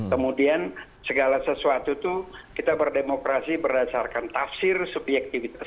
kemudian segala sesuatu itu kita berdemokrasi berdasarkan tafsir subjektivitas